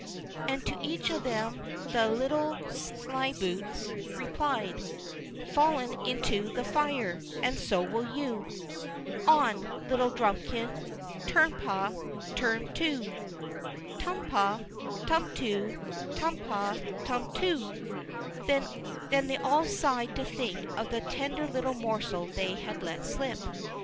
And to each of them the little slyboots replied: "Fallen into the fire, and so will you On, little Drumikin. Tum pa, tum too; Tum pa, tum too; tum pa, tum too!" Then they all sighed to think of the tender little morsel they had let slip.